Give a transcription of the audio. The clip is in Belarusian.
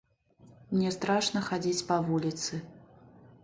Мне страшна хадзіць па вуліцы.